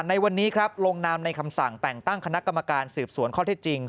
ในวันนี้ครับลงนามในคำสั่งแต่งตั้งคณะกรรมการสืบสวนข้อเท็จจริง